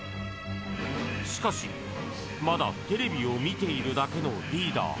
しかし、まだテレビを見ているだけのリーダー。